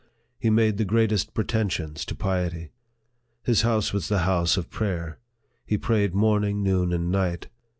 He made the greatest pretensions to piety. His house was the house of prayer. He prayed morning, noon, and night.